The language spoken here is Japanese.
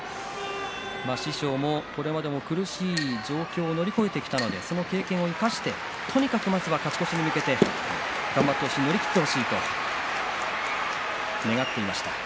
師匠も、これまで苦しい状況を乗り越えてきたのでその経験を生かしてとにかくまずは勝ち越しに向けて頑張ってほしい乗り切ってほしいと願っていました。